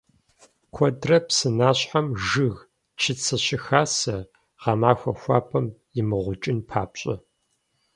Куэдрэ псынащхьэм жыг, чыцэ щыхасэ, гъэмахуэ хуабэм имыгъукӀын папщӀэ.